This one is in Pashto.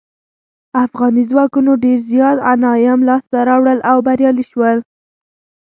افغاني ځواکونو ډیر زیات غنایم لاسته راوړل او بریالي شول.